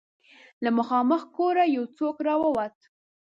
له مخامخ کوره يو څوک را ووت.